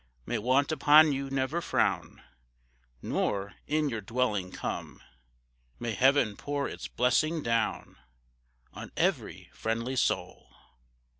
May want upon you never frown, Nor in your dwelling come; May Heaven pour its blessing down, On every friendly soul.